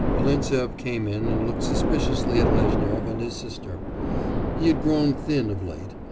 Volintsev came in and looked suspiciously at Lezhnyov and his sister. He had grown thin of late.